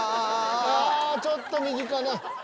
あちょっと右かな。